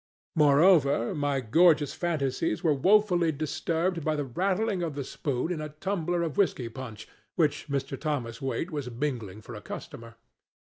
Moreover, my gorgeous fantasies were woefully disturbed by the rattling of the spoon in a tumbler of whiskey punch which Mr. Thomas Waite was mingling for a customer.